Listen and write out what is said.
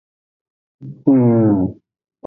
Hun.